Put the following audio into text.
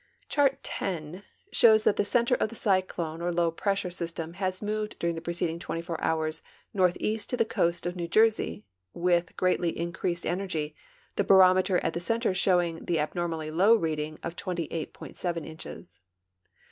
Chart X shows that the center of the cyclone or low pressure system has moved during the preceding 24 hours northeast to the coa.st of New Jersey, with greatly increased energy, the barometer at tlie center showing the abnormally low reading of 28.7 inches.